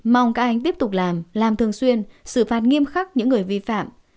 mong các anh tiếp tục làm làm thường xuyên xử phạt nghiêm khắc những người vi phạm